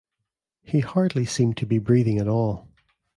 He hardly seemed to be breathing at all.